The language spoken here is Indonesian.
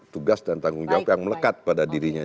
tugas dan tanggung jawab yang melekat pada dirinya